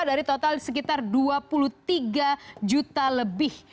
dari total sekitar dua puluh tiga juta lebih